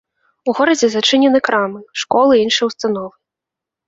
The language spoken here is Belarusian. У горадзе зачыненыя крамы, школы і іншыя ўстановы.